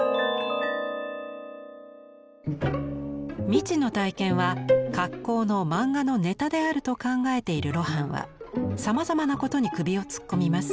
未知の体験は格好の漫画のネタであると考えている露伴はさまざまなことに首を突っ込みます。